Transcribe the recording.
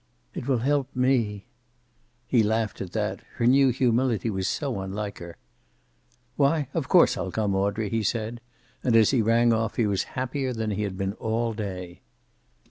"It will help me." He laughed at that; her new humility was so unlike her. "Why, of course I'll come, Audrey," he said, and as he rang off he was happier than he had been all day.